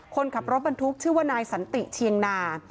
คนขับรถบรรทุกชื่อว่านายสันติเชียงนา